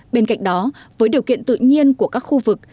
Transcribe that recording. bên cạnh đó với điều kiện tự nhiên của các khu vực